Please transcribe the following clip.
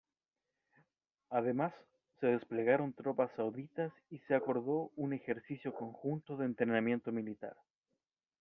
Además se desplegaron tropas sauditas y se acordó un ejercicio conjunto de entrenamiento militar.